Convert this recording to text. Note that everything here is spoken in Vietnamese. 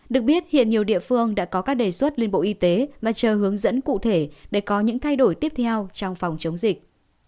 được biết hiện nhiều địa phương đã có các đề xuất lên bộ y tế mà chờ hướng dẫn cụ thể để có những thay đổi tiếp theo trong phòng chống dịch